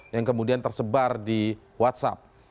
yang kemudian tersebar di whatsapp